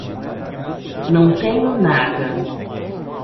Não tenho nada.